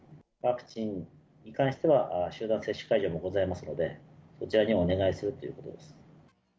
ワクチンに関しては、集団接種会場もございますので、そちらにお願いするということです。